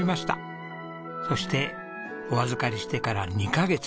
そしてお預かりしてから２カ月